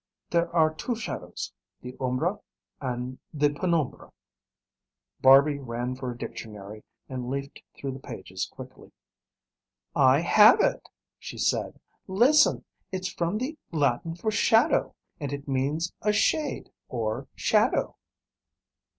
There are two shadows. The umbra and the penumbra." Barby ran for a dictionary and leafed through the pages quickly. "I have it," she said. "Listen. It's from the Latin for 'shadow,' and it means 'a shade or shadow.'"